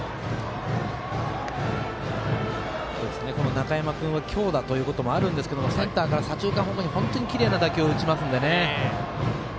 中山君は強打ということもありますがセンターから左中間ほどに本当にきれいな打球を打ちますので。